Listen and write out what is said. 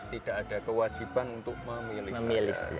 tidak ada kewajiban untuk memilih strategi